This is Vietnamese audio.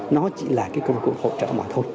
nó chỉ là cái công cụ hỗ trợ mà thôi